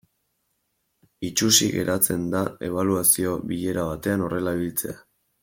Itsusi geratzen da ebaluazio bilera batean horrela ibiltzea.